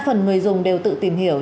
đa phần người dùng đều tự tìm hiểu